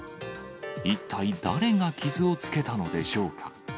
一体、誰が傷をつけたのでしょうか。